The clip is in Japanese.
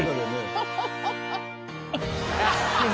ハハハハッ！